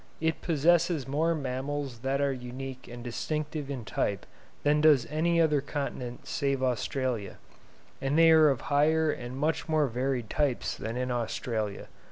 It possesses more mammals that are unique and distinctive in type than does any other continent save Australia; and they are of higher and much more varied types than in Australia.